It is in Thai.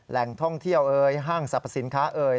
แหล่งท่องเที่ยวเอ่ยห้างสรรพสินค้าเอ่ย